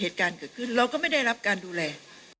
เหตุการณ์เราก็ไม่ได้รับการดูแล